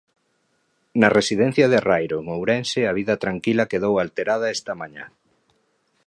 Na residencia de Rairo en Ourense a vida tranquila quedou alterada esta mañá.